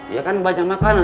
ya kan banyak makanan